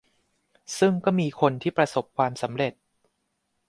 ซึ่งก็มีคนที่ประสบความสำเร็จ